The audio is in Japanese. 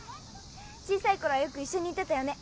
小さい頃はよく一緒に行ってたよね